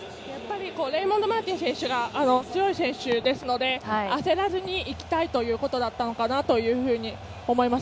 レイモンド・マーティン選手が強い選手ですので焦らずにいきたいということだったのかなと思います。